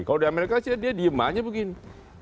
kalau di amerika dia diem aja begini